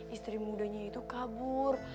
istri mudanya itu kabur